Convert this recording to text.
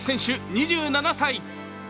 ２７歳。